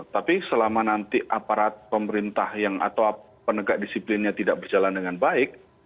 tapi selama nanti aparat pemerintah yang atau penegak disiplinnya tidak berjalan dengan baik